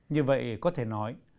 như vậy có thể nói